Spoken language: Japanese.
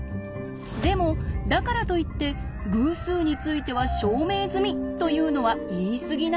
でもだからといって「偶数については証明済み！」というのは言い過ぎなんです。